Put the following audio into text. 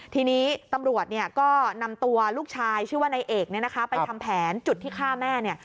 ทีนี้ตำรวจก็นำตัวลูกชายชื่อว่านายเอกไปทำแผนจุดที่ฆ่าแม่